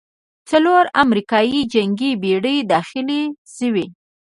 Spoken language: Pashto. څلور امریکايي جنګي بېړۍ داخلې شوې.